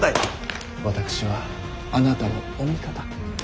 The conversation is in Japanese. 私はあなたのお味方。